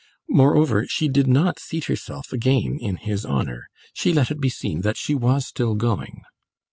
Moreover, she did not seat herself again in his honour; she let it be seen that she was still going.